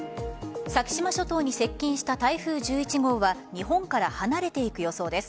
先島諸島に接近した台風１１号は日本から離れていく予報です。